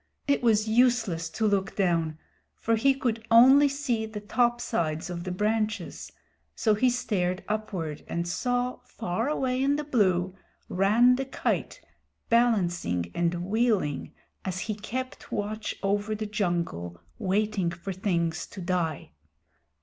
It was useless to look down, for he could only see the topsides of the branches, so he stared upward and saw, far away in the blue, Rann the Kite balancing and wheeling as he kept watch over the jungle waiting for things to die.